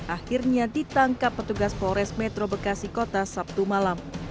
akhirnya ditangkap petugas polres metro bekasi kota sabtu malam